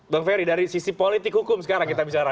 bang ferry dari sisi politik hukum sekarang kita bicara